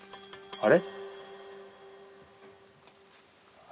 あれ？